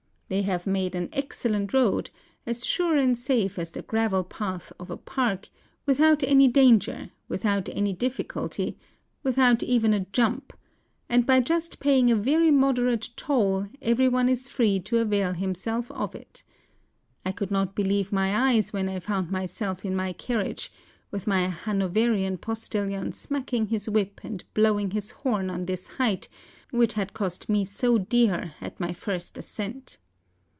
They have made an excellent road, as sure and safe as the gravel path of a park, without any danger, without any THE BROCKEN. 161 difficulty, without even a jump; and by just paying a very moderate toll, every one is free to avail himself of it. I could not believe my eyes when I found myself in my carriage, with my Hanoverian postilion smacking his whip and blowing his horn on this height, which had cost me so dear at my first ascent.